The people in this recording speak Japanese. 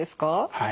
はい。